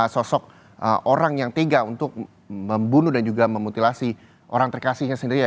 sosok orang yang tega untuk membunuh dan juga memutilasi orang terkasihnya sendiri ya